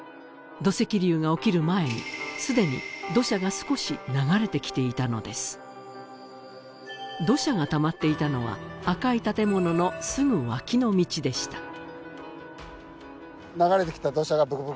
土石流が起きる前にすでに土砂が少し流れてきていたのです土砂がたまっていたのは赤い建物のすぐ脇の道でした